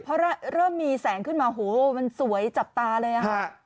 เพราะเริ่มมีแสงขึ้นมาโหมันสวยจับตาเลยค่ะ